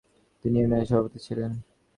তিনি ইউনিয়নের সভাপতি ছিলেন।